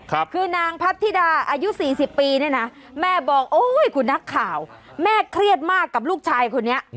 คือนางพัทธิดาอายุสี่สิบปีเนี่ยนะแม่บอกโอ้ยคุณนักข่าวแม่เครียดมากกับลูกชายคนนี้